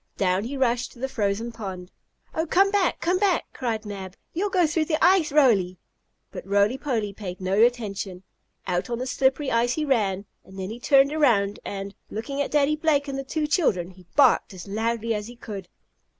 Down he rushed to the frozen pond. "Oh, come back! Come back!" cried Mab. "You'll go through the ice, Roly!" But Roly Poly paid no attention. Out on the slippery ice he ran, and then he turned around and, looking at Daddy Blake and the two children, he barked as loudly as he could.